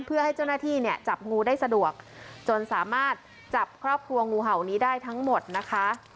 เพื่อให้เจ้าหน้าที่เนี่ยจับงูได้สะดวกจนสามารถจับครอบครัวงูเห่านี้ได้ทั้งหมดนะคะ